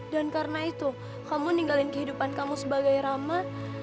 dan karena itu kamu ninggalin kehidupan kamu sebagai rama